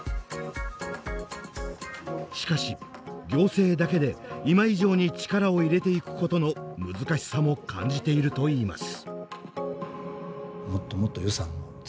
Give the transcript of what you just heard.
しかし行政だけで今以上に力を入れていくことの難しさも感じているといいます。